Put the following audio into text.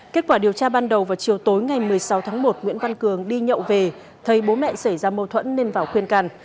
kết quả điều tra ban đầu vào chiều tối ngày một mươi sáu tháng một nguyễn văn cường đi nhậu về thấy bố mẹ xảy ra mâu thuẫn nên vào khuyên can